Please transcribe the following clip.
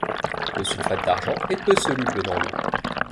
Le sulfate d'argent est peu soluble dans l'eau.